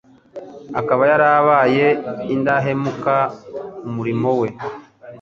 akaba yarabaye indahemuka ku murimo we,